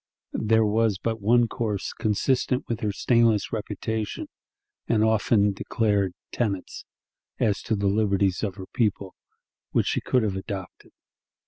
There was but one course consistent with her stainless reputation and often declared tenets, as to the liberties of her people, which she could have adopted.